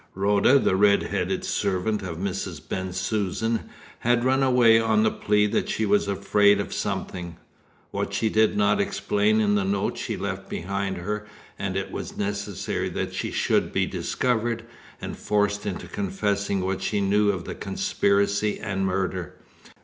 Rhoda, the red headed servant of Mrs. Bensusan, had run away on the plea that she was afraid of something what she did not explain in the note she left behind her, and it was necessary that she should be discovered, and forced into confessing what she knew of the conspiracy and murder.